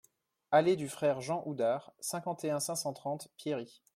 Allée du Frère Jean Oudart, cinquante et un, cinq cent trente Pierry